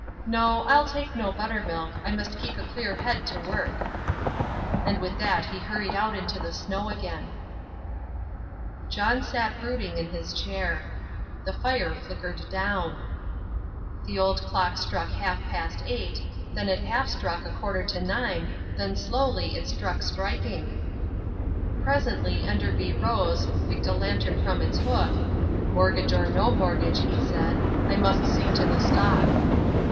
No, I'll take no buttermilk, I must keep a clear head to work," and with that he hurried out into the snow again. Illustration: "No, I'll take no buttermilk, I must keep a clear head to work" John sat brooding in his chair. The fire flickered down. The old clock struck half past eight, then it half struck a quarter to nine, then slowly it struck striking. Presently Enderby rose, picked a lantern from its hook, "Mortgage or no mortgage," he said, "I must see to the stock."